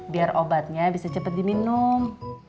biar obatnya bisa cepat diminum